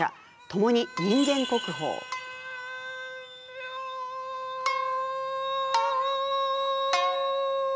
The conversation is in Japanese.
ともに人間国宝でした。